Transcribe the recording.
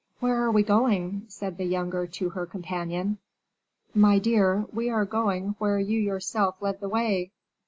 "Where are we going?" said the younger to her companion. "My dear, we are going where you yourself led the way."